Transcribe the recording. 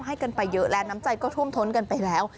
ให้กันไปเยอะและน้ำใจก็ท่วมท้นกันไปแล้ว